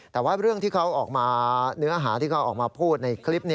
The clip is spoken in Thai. แต่ว่าเรื่องที่เขาออกมาเนื้อหาที่เขาออกมาพูดในคลิป